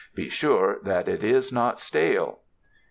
Be sure that it is not stale.